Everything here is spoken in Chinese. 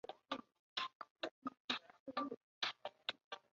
沿着永田川的旧宫川小学校校区与皇德寺新市区皆属于其学区范围内。